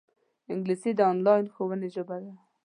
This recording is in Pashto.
انګلیسي د انلاین ښوونې ژبه ده